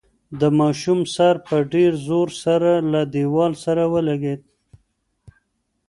د ماشوم سر په ډېر زور سره له دېوال سره ولګېد.